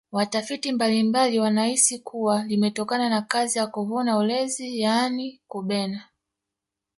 watafiti mbalimbali wanahisi kuwa limetokana na kazi ya kuvuna ulezi yaani kubena